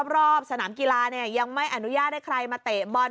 รอบสนามกีฬายังไม่อนุญาตให้ใครมาเตะบอล